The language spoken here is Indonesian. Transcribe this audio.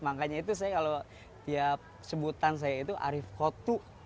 makanya itu saya kalau tiap sebutan saya itu arief kotu